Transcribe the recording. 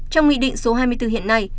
trong nghị định số hai mươi bốn hiện nay